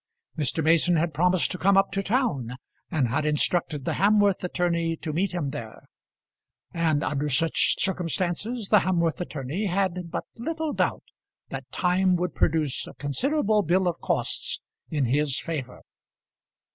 Mr. Mason had promised to come up to town, and had instructed the Hamworth attorney to meet him there; and under such circumstances the Hamworth attorney had but little doubt that time would produce a considerable bill of costs in his favour.